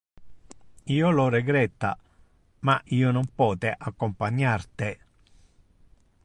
Io lo regretta, ma io non pote accompaniar te.